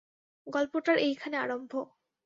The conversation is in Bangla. গল্পটার এইখানে আরম্ভ।